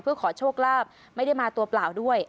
เพื่อขอโชคลาภไม่ได้มาตัวเปล่าด้วย